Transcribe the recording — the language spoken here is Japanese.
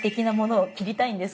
はい切りたいんです。